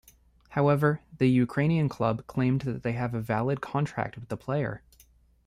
However, the Ukrainian club claimed that they have a valid contract with the player.